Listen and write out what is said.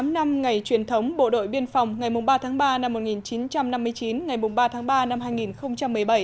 ngày truyền thống bộ đội biên phòng ngày ba tháng ba năm một nghìn chín trăm năm mươi chín ngày ba tháng ba năm hai nghìn một mươi bảy